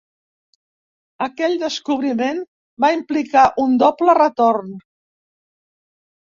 Aquell descobriment va implicar un doble retorn.